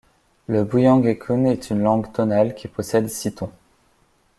Le buyang ecun est une langue tonale qui possède six tons.